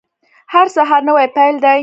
هر سهار نوی پیل دی